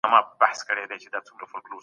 موږ تل د حق او عدالت تمه لرلې ده.